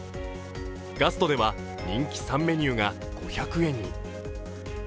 ガストでは人気３メニューが５００円に。